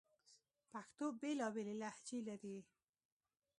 پښتو بیلابیلي لهجې لري